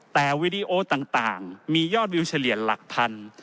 แต่วีดีโอต่างมียอดวิวเฉลี่ยหลักพัน